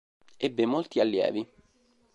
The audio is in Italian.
Ebbe molti allievi.